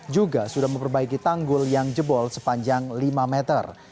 juga sudah memperbaiki tanggul yang jebol sepanjang lima meter